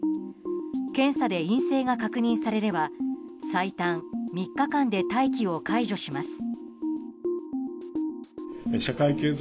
検査で陰性が確認されれば最短３日間で待機を解除します。